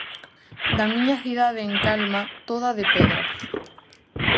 Da miña cidade en calma, toda de pedra.